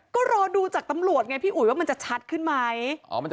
ก็รอดูจากตำรวจไงพี่อุ๋ยว่ามันจะชัดขึ้นไหม